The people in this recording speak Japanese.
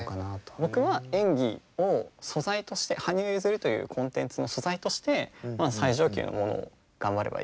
僕は演技を素材として羽生結弦というコンテンツの素材としてまあ最上級のものを頑張ればいいや。